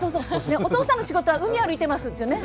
お父さんの仕事は海歩いてますっていうね。